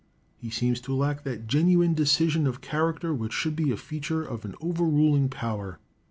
He seems to lack that genuine decision of character which should be a feature of an over ruling power.